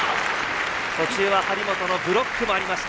途中は張本のブロックもありました。